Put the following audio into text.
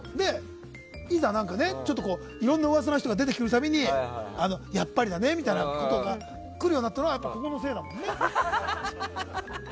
いざ、ちょっといろんな噂の人が出てくるたびにやっぱりねみたいなのが来るようになったのはここのせいだったね。